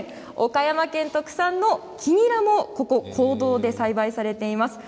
岡山県特産の黄ニラもここ坑道で栽培されています。